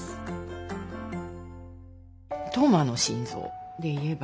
「トーマの心臓」でいえば